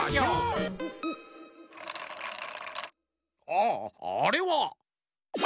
ああれは。